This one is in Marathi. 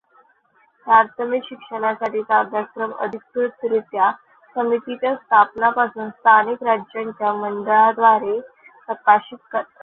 प्राथमिक शिक्षणासाठीचा अभ्यासक्रम अधिकृतरित्या समित्या स्थापून स्थानिक राज्यांच्या मंडळांद्वारे प्रकाशित करतात.